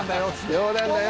“冗談だよ”」